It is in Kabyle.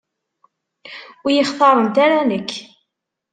Ur yi-xtarent ara nekk.